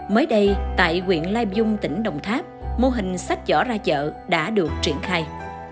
mới đây tại quyện lai bung tỉnh đồng tháp mô hình sách chỏ ra chợ đã được triển khai